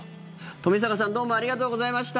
冨坂さんどうもありがとうございました。